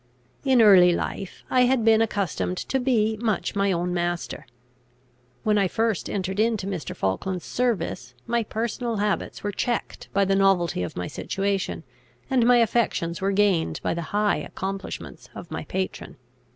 In early life I had been accustomed to be much my own master. When I first entered into Mr. Falkland's service, my personal habits were checked by the novelty of my situation, and my affections were gained by the high accomplishments of my patron.